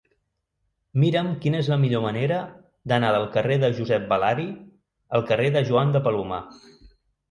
Mira'm quina és la millor manera d'anar del carrer de Josep Balari al carrer de Joan de Palomar.